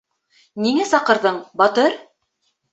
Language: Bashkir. — Ниңә саҡырҙың, Батыр?